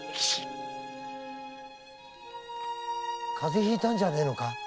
風邪ひいたんじゃねえのか？